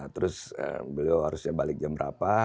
terus beliau harusnya balik jam berapa